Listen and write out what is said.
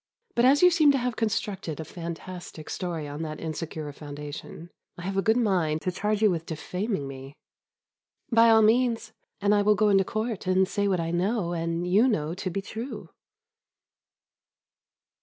But, as you seem to have constructed a fantastic story on that insecure foundation, I have a good mind to charge you with defaming me." "By all means, and I will go into court and say what I know and you know to be true."